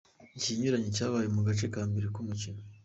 Ikinyuranyo cyabaye mu gace ka mbere k’umukino”.